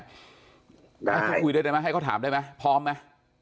ได้ให้เขาคุยได้ไหมให้เขาถามได้ไหมพร้อมไหม